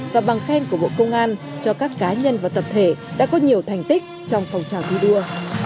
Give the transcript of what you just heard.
và bằng khen của bộ công an cho các cá nhân và tập thể đã có nhiều thành tích trong phòng trào thi đua